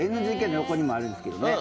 ＮＧＫの横にもあるんですけどね。